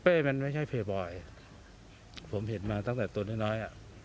เป๊มันไม่ใช่เปย์บอยผมเห็นมาตั้งแต่ตัวน้อยทำยังไง